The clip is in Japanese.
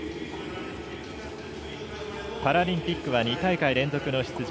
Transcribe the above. パラリンピックは２大会連続の出場。